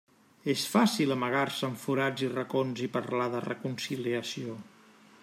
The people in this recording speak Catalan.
És fàcil amagar-se en forats i racons i parlar de reconciliació.